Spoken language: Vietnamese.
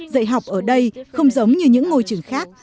dạy học ở đây không giống như những ngôi trường khác